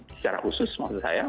secara usus maksud saya